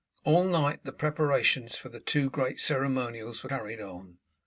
All night the preparations for the two great ceremonials were carried on.